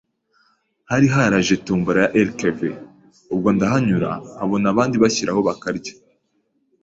hari haraje Tombola ya LKV, ubwo ndahanyura, nkabona abandi bashyiraho bakarya